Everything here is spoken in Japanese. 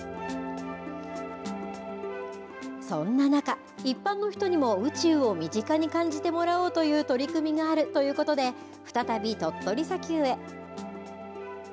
そんな中、一般の人にも宇宙を身近に感じてもらおうという取り組みがあるということで、再び鳥取砂丘へ。